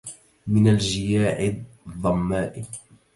من الجياع الظماء